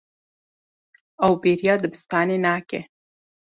Ew bêriya dibistanê nake.